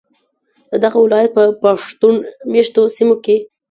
ددغه ولایت په پښتون میشتو سیمو کې